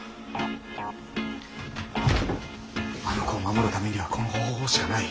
あの子を守るためにはこの方法しかない。